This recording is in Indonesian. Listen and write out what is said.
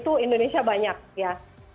itu indonesia banyak ya